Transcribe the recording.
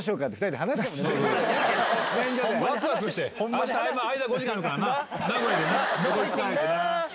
あした間５時間あるからな名古屋でな。